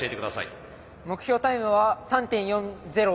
目標タイムは３．４０です。